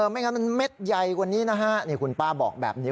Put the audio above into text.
ไม่งั้นมันเม็ดใหญ่กว่านี้นะฮะนี่คุณป้าบอกแบบนี้